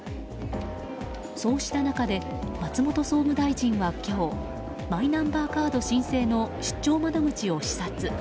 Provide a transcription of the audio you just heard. そうした中で松本総務大臣は今日マイナンバーカード申請の出張窓口を視察。